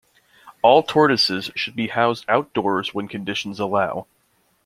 All tortoises should be housed outdoors when conditions allow.